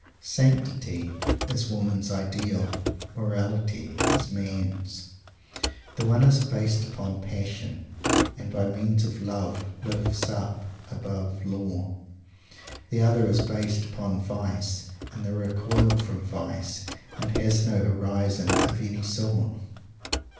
Sanctity is woman's ideal morality is man's. The one is based upon passion, and by means of love lifts us above law. The other is based upon vice and the recoil from vice; and has no horizons of any sort.